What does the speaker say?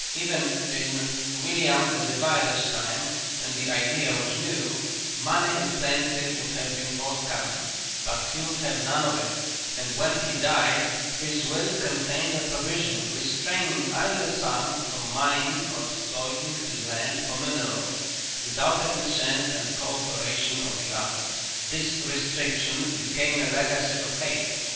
Even in William the Divider's time, when the idea was new, money in plenty would have been forthcoming, but he would have none of it, and when he died his will contained a provision restraining either son from mining or exploiting his land for mineral without the consent and co operation of the other. This restriction became a legacy of hate.